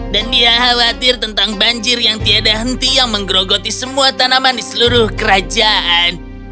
dan dia khawatir tentang banjir yang tidak ada henti yang menggerogoti semua tanaman di seluruh kerajaan